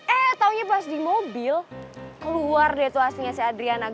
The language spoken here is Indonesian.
eh taunya pas di mobil keluar deh tuh aslinya si adriana